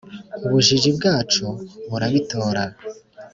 ubujiji bwacu burabitora ,